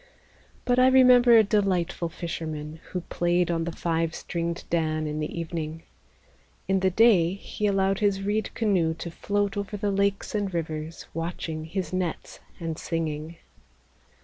But I remember a delightful fisherman Who played on the five stringed dan in the evening. In the day he allowed his reed canoe to float Over the lakes and rivers, Watching his nets and singing.